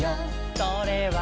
「それはね